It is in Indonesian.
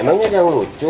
emangnya dia yang lucu